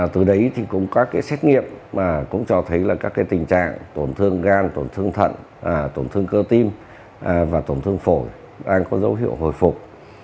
từ đấy cũng có các xét nghiệm cho thấy các tình trạng tổn thương gan tổn thương thận tổn thương cơ tim và tổn thương phổi đang có dấu hiệu hồi phục